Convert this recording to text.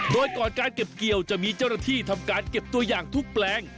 โดยก่อนการเก็บเกี่ยวจะมีเจ้าหน้าที่ทำการเก็บตัวอย่างทุกแปลง